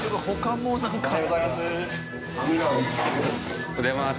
おはようございます。